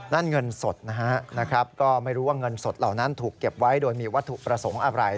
เงินสดนะฮะก็ไม่รู้ว่าเงินสดเหล่านั้นถูกเก็บไว้โดยมีวัตถุประสงค์อะไร